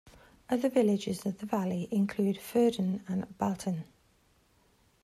Other villages in the valley include Ferden and Blatten.